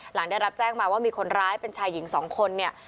หลังได้รับแจ้งมาว่ามีคนร้ายเป็นชายหญิงสองคนเนี่ย